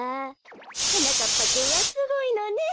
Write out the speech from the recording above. はなかっぱくんはすごいのね。